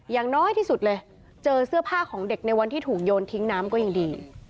อย่างน้อยที่สุดเลยเจอเสื้อผ้าของเด็กในวันที่ถูกโยนทิ้งน้ำก็ยังดี